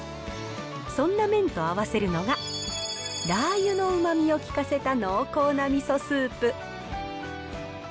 そんな麺と合わせるのが、ラー油のうまみを効かせた濃厚な味噌スープ。